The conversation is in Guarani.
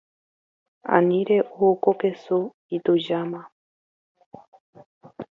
Ani re’u ko kesu. Itujáma.